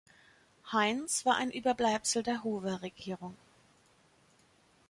Hines war ein Überbleibsel der Hoover-Regierung.